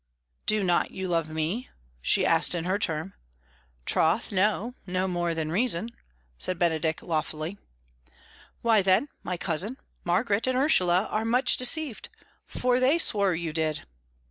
"Do not you love me?" she asked in her turn. "Troth, no; no more than reason," said Benedick loftily. "Why, then, my cousin, Margaret and Ursula are much deceived, for they swore you did."